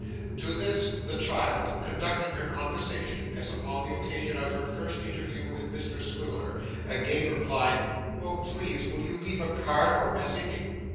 To this, the child, conducting her conversation as upon the occasion of her first interview with Mr Swiveller, again replied, 'Oh please will you leave a card or message?